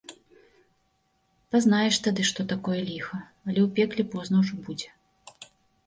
Пазнаеш тады, што такое ліха, але ў пекле позна ўжо будзе.